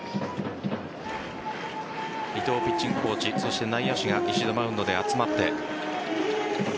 伊藤ピッチングコーチそして内野手がマウンドで集まって。